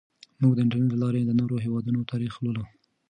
موږ د انټرنیټ له لارې د نورو هیوادونو تاریخ لولو.